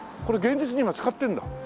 これ現実に今使ってるんだ？